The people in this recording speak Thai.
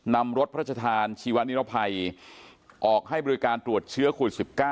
นำรถพระชธานชีวนิรภัยออกให้บริการตรวจเชื้อโควิด๑๙